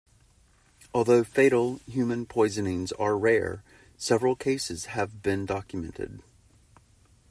Although fatal human poisonings are rare, several cases have been documented.